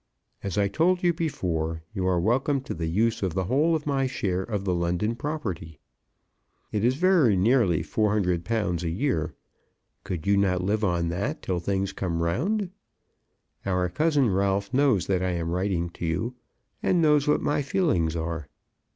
As I told you before, you are welcome to the use of the whole of my share of the London property. It is very nearly £400 a year. Could you not live on that till things come round? Our cousin Ralph knows that I am writing to you, and knows what my feelings are.